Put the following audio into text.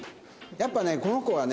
やっぱねこの子はね